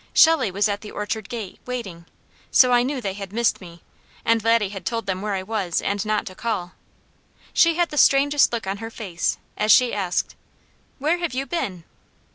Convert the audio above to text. Shelley was at the orchard gate, waiting; so I knew they had missed me, and Laddie had told them where I was and not to call. She had the strangest look on her face, as she asked: "Where have you been?"